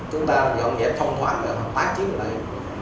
chúng ta dọn dẹp thông thoại và tác chiến lại